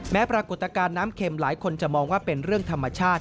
ปรากฏการณ์น้ำเข็มหลายคนจะมองว่าเป็นเรื่องธรรมชาติ